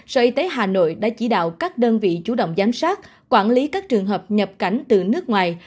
sở y tế hà nội đã chỉ đạo các đơn vị chủ động giám sát quản lý các trường hợp nhập cảnh từ nước ngoài